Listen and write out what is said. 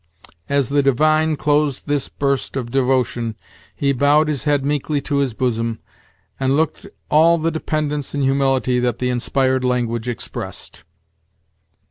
As the divine closed this burst of devotion, he bowed his head meekly to his bosom, and looked all the dependence and humility that the inspired language expressed.